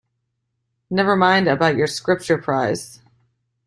Never mind about your Scripture prize.